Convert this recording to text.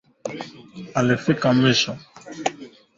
Bana nilomba makuta asubui kwa dada